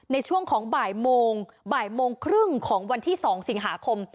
ในช่วงของบ่ายโมงบ่ายโมงครึ่งของวันที่๒สิงหาคม